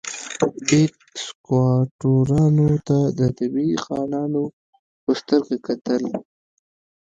بیګ سکواټورانو ته د طبیعي خانانو په سترګه کتل.